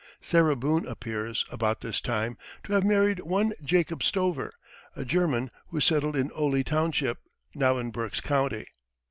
Sarah Boone appears, about this time, to have married one Jacob Stover, a German who settled in Oley township, now in Berks County.